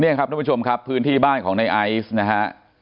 นี่ครับทุกผู้ชมครับพื้นที่บ้านของในไอซ์นะฮะ